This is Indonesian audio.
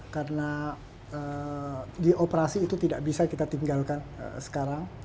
karena di operasi itu tidak bisa kita tinggalkan sekarang